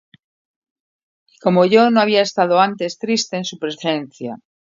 Y como yo no había estado antes triste en su presencia,